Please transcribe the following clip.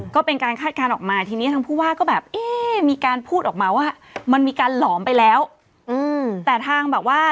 ก็เป็นการคาดการณ์ออกมาทีนี้ทางผู้ว่าก็แบบเอ๊ะมีการพูดออกมาว่ามันมีการหลอมไปแล้วแต่ทางแบบว่า